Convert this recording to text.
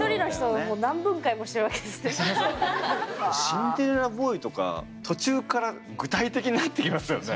「シンデレラボーイ」とか途中から具体的になってきますよね。